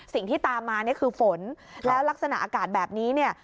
สิ่งที่ตามมาคือฝนแล้วลักษณะอากาศแบบนี้